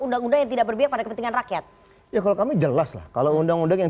undang undang yang tidak berpihak pada kepentingan rakyat ya kalau kami jelas lah kalau undang undang yang